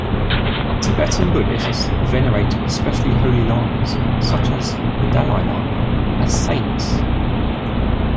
Tibetan Buddhists venerate especially holy lamas, such as the Dalai Lama, as saints.